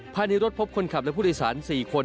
ภายในรถพบคนขับและผู้โดยสาร๔คน